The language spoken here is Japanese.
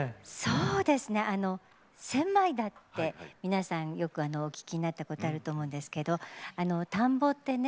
あの千枚田って皆さんよくお聞きになったことあると思うんですけど田んぼってね